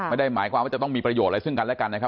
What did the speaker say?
ไม่ได้หมายความว่าจะต้องมีประโยชน์อะไรซึ่งกันและกันนะครับ